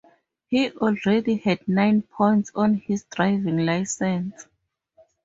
He already had nine points on his driving licence.